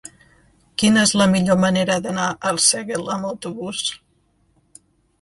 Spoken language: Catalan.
Quina és la millor manera d'anar a Arsèguel amb autobús?